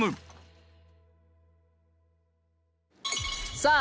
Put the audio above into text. さあ